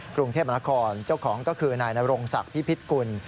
กรุงเทพมนาคมเจ้าของก็คือนายนรงศักดิ์พิพิษกุล